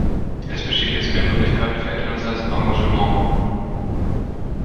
Es bestehen jetzt mehr Möglichkeiten für internationales Engagement.